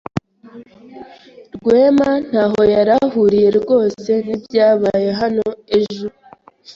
Rwema ntaho yari ahuriye rwose nibyabaye hano ejo.